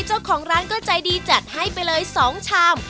เจ้าของก็ใจดีจัดไปเลย๒ชาม